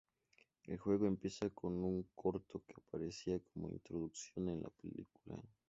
El juego empieza con un corto que aparecía como introducción en la película.